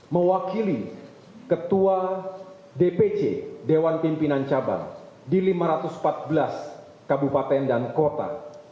mewakili ketua dpc dewan pimpinan cabang di lima ratus empat belas kabupaten dan kota